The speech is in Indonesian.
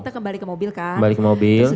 kita kembali ke mobil kan kembali ke mobil terus